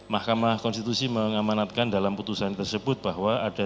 mahkamah konstitusi mengamanatkan dalam putusan tersebut bahwa ada